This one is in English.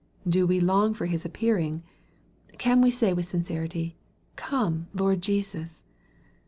Do we long for His appearing ? Can we say with sincerity, Come, Lord Jesus